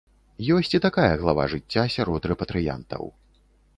Ёсць і такая глава жыцця сярод рэпатрыянтаў.